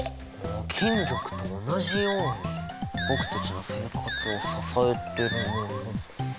金属と同じように僕たちの生活を支えてるもの。